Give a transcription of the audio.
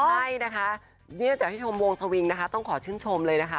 ใช่นะคะแน่ใจจะหาให้สวงโมงสวิงนะคะต้องขอชื่นชมเลยนะคะ